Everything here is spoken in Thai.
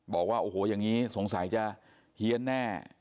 บอกว่าโอ้โหอย่างนี้สงสัยจะเฮียนแน่